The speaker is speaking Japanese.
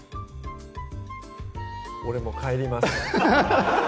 俺もう帰ります